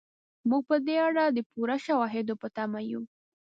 موږ په دې اړه د پوره شواهدو په تمه یو.